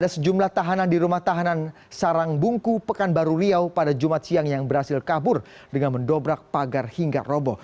ada sejumlah tahanan di rumah tahanan sarangbungku pekanbaru riau pada jumat siang yang berhasil kabur dengan mendobrak pagar hingga roboh